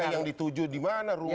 yang dituju dimana ruangnya